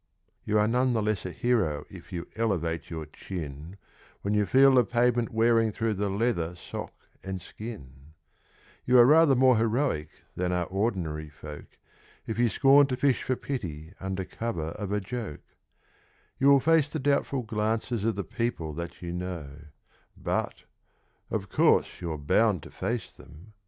You are none the less a hero if you elevate your chin When you feel the pavement wearing through the leather, sock and skin; You are rather more heroic than are ordinary folk If you scorn to fish for pity under cover of a joke; You will face the doubtful glances of the people that you know ; But of course, you're bound to face them when your pants begin to go.